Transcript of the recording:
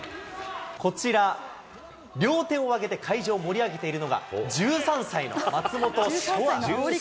こちら、両手を上げて会場を盛り上げているのが１３歳の松本翔海。